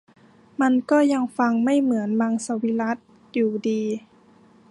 มันก็ยังฟังไม่เหมือนมังสวิรัติอยู่ดี